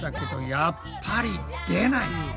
やっぱり出ない。